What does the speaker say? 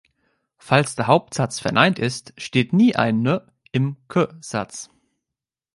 Falls der Hauptsatz verneint ist, steht nie ein "ne" im "que"-Satz.